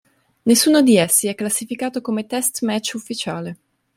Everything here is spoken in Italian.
Nessuno di essi è classificato come "test-match" ufficiale.